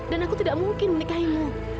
dan aku tidak mungkin menikahimu